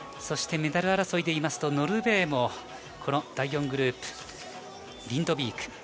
そしてメダル争いで言いますとノルウェーも第４グループ、リンドビーク。